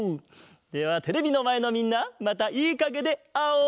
ではテレビのまえのみんなまたいいかげであおう！